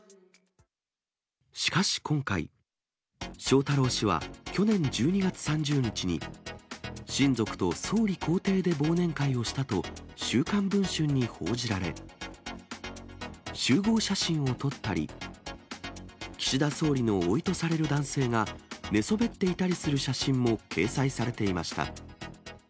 しかし今回、翔太郎氏は去年１２月３０日に、親族と総理公邸で忘年会をしたと、週刊文春に報じられ、集合写真を撮ったり、岸田総理のおいとされる男性が寝そべっていたりする写真も掲載されていました。